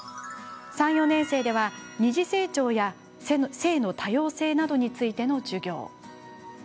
３・４年生では二次性徴や性の多様性などについての授業。